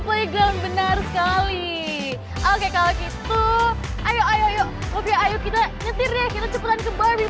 playground benar sekali oke kalau gitu ayo ayo ayo oke ayo kita nyetir ya kita cepetan ke barbie